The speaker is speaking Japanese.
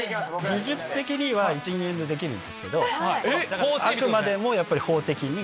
技術的には、１、２年でできるんですけど、あくまでもやっぱり法的に。